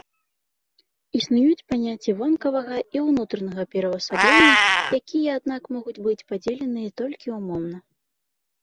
Існуюць паняцці вонкавага і ўнутранага пераўвасаблення, якія, аднак, могуць быць падзеленыя толькі ўмоўна.